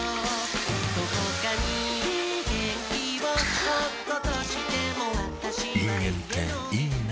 どこかに元気をおっことしてもあぁ人間っていいナ。